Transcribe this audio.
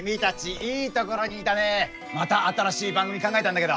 また新しい番組考えたんだけど。